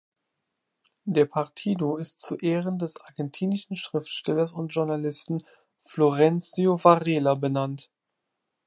Der Partido ist zu Ehren des argentinischen Schriftstellers und Journalisten Florencio Varela benannt.